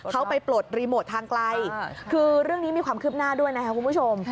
เขาไปปลดรีโมททางไกลคือเรื่องนี้มีความคืบหน้าด้วยนะครับคุณผู้ชม